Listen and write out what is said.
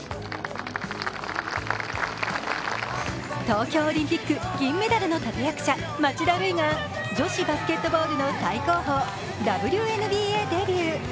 東京オリンピック、銀メダルの立役者、町田瑠唯が女子バスケットボールの最高峰、ＷＮＢＡデビュー。